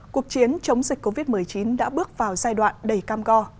cuộc chiến chống dịch covid một mươi chín đã bước vào giai đoạn đầy cam go